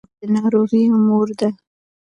چاقي د ناروغیو مور ده.